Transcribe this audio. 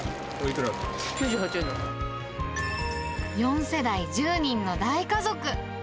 ４世代１０人の大家族。